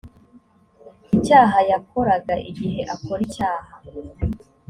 icyaha yakoraga igihe akora icyaha